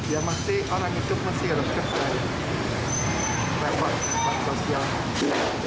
ya pasti orang itu masih repot